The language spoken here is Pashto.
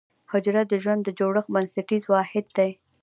حجره د ژوند د جوړښت بنسټیز واحد دی